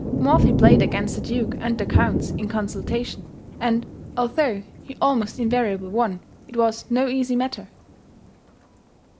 Morphy played against the Duke and the Counts in consultation, and, although he almost invariably won, it was no easy matter.